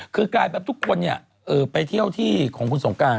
คือกลายแบบทุกคนไปเที่ยวที่ของคุณสงการ